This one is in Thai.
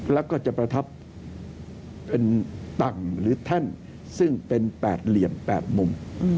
แล้วก็จะประทับเป็นต่ำหรือแท่นซึ่งเป็น๘เหลี่ยม๘มุม